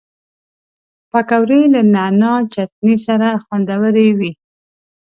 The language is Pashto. پکورې له نعناع چټني سره خوندورې وي